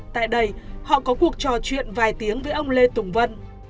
tại đây họ có cuộc trò chuyện vài tiếng với ông lê tùng vân